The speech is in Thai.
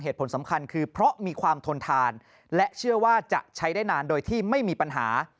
เหตุผลสำคัญคือเพราะมีความทนทานและเชื่อว่าจะใช้ได้นานโดยที่ไม่มีปัญหา